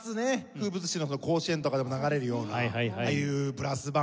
風物詩の甲子園とかでも流れるようなああいうブラスバンドみたいな。